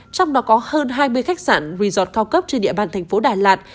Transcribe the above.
trong đó có hơn hai mươi khách sạn resort cao cấp trên địa bàn thành phố đà lạt